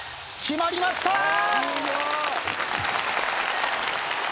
決まりました。